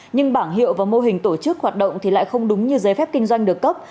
nhưng bảng hiệu và mô hình tổ chức hoạt động thì lại không đúng như giấy phép kinh doanh được cấp